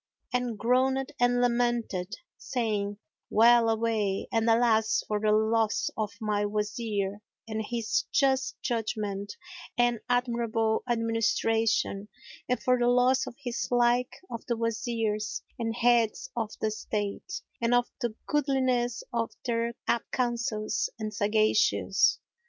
and groaned and lamented, saying "Well away and alas for the loss of my Wazir and his just judgment and admirable administration and for the loss of his like of the Wazirs and Heads of the State and of the goodliness of their apt counsels and sagacious!"